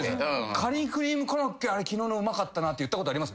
カニクリームコロッケ昨日のうまかったなって言ったことあります？